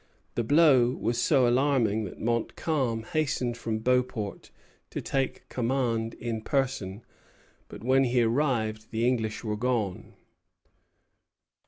The blow was so alarming that Montcalm hastened from Beauport to take command in person; but when he arrived the English were gone.